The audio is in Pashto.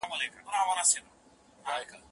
د ژور خپګان ضد درمل ځینې وخت اغېزمن نه وي.